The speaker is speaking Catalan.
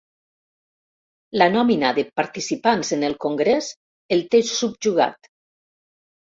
La nòmina de participants en el congrés el té subjugat.